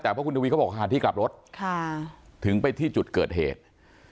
แต่เพราะคุณทวีเขาบอกหาที่กลับรถถึงไปที่จุดเกิดเหตุ